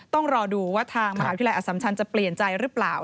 ต้องรอดูว่าทางอสำชันำจะเปลี่ยนใจหรือเปล่า